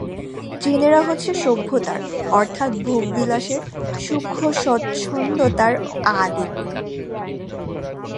চীনেরা হচ্ছে সভ্যতার অর্থাৎ ভোগবিলাসের সুখস্বচ্ছন্দতার আদিগুরু।